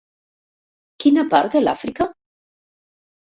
Quina part de l'Àfrica?